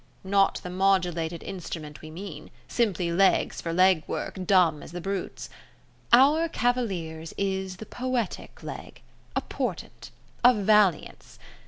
not the modulated instrument we mean simply legs for leg work, dumb as the brutes. Our cavalier's is the poetic leg, a portent, a valiance.